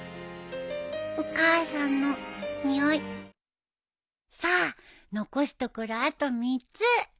お母さんのにおいさあ残すところあと３つ。